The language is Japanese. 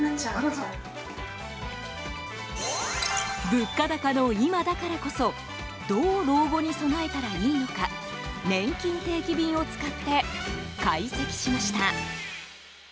物価高の今だからこそどう老後に備えたらいいのかねんきん定期便を使って解析しました。